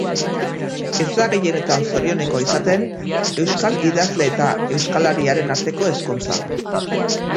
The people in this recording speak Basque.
Ez da gehienetan zorionekoa izaten euskal idazle eta euskalariaren arteko ezkontza.